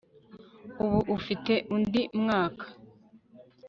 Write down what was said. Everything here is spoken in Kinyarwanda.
ubu ufite undi mwaka